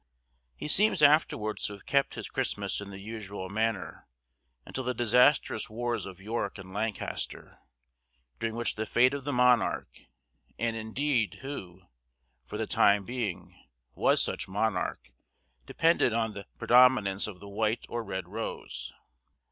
He seems afterwards to have kept his Christmas in the usual manner, until the disastrous wars of York and Lancaster, during which the fate of the monarch,—and, indeed, who, for the time being, was such monarch—depended on the predominance of the white or red rose.